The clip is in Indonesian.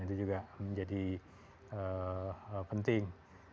itu juga menjadi penting